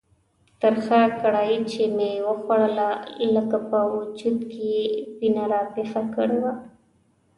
ترخه کړایي چې مې وخوړله لکه په وجود کې یې وینه راویښه کړې وه.